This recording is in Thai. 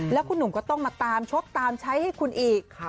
แล้วคุณหนุ่มก็ต้องมาตามชกตามใช้ให้คุณอีก